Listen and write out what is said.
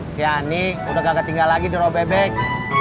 si ani udah gak ketinggal lagi di ropebek